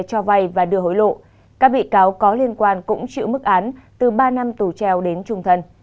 các bị cáo có liên quan cũng chịu mức án từ ba năm tù treo đến trung thân